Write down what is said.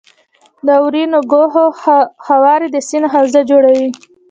د اورینوکو هوارې د سیند حوزه جوړوي.